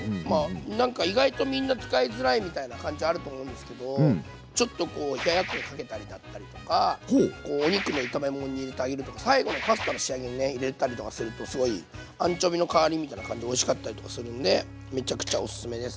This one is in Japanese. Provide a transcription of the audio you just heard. なんか意外とみんな使いづらいみたいな感じあると思うんですけどちょっとこうお肉の最後のパスタの仕上げに入れたりとかするとすごいアンチョビの代わりみたいな感じでおいしかったりとかするんでめちゃくちゃおすすめです。